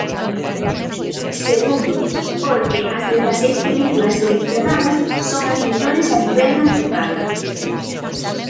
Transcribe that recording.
Segundo, porque as dezaseis películas seleccionadas son as mellores a nivel nacional.